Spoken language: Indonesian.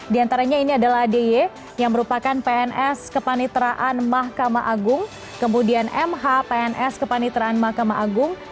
di antaranya ini adalah dy yang merupakan pns kepaniteraan mahkamah agung kemudian mh pns kepaniteraan mahkamah agung